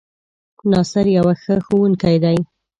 ناصر يو ښۀ ښوونکی دی